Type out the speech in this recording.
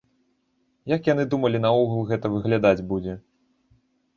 Як яны думалі наогул гэта выглядаць будзе?